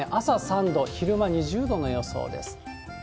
朝３度、昼間２０度の予想です。